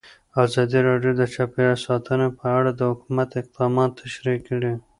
ازادي راډیو د چاپیریال ساتنه په اړه د حکومت اقدامات تشریح کړي.